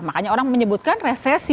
makanya orang menyebutkan resesi